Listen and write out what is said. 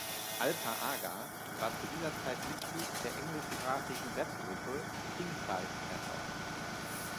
Alper Aga war zu dieser Zeit Mitglied der englisch-sprachigen Rapgruppe King Size Terror.